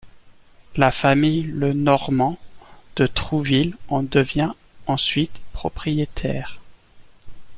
La famille Le Normand de Trouville en devient ensuite propriétaire.